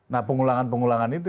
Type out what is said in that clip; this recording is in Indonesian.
nah pengulangan pengulangan itu